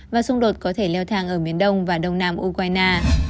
và xung đột có thể leo thang ở miền đông và đông nam ukraine